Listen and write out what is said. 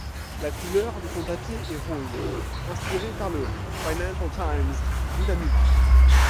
La couleur de son papier est rose, inspiré par le Financial Times britannique.